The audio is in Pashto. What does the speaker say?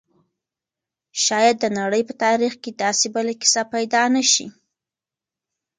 شاید د نړۍ په تاریخ کې داسې بله کیسه پیدا نه شي.